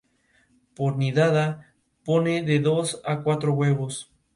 Fue miembro honorífico de la Asociación de Taichi Chuan estilo Chen de Pekín.